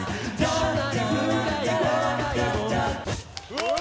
うわ！